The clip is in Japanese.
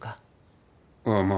ああまあ